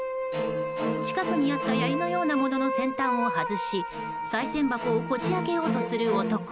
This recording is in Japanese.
近くにあった槍のようなものの先端を外しさい銭箱をこじ開けようとする男。